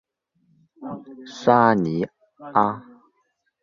沙尼阿。